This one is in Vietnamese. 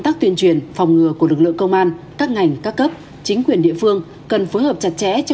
đây chỉ là hai trong số